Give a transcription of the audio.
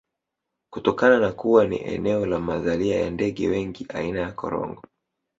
Kutokana na kuwa ni eneo la mazalia ya ndege wengi aina ya Korongo